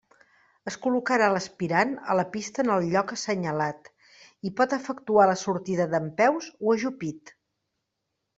Es col·locarà l'aspirant a la pista en el lloc assenyalat, i pot efectuar la sortida dempeus o ajupit.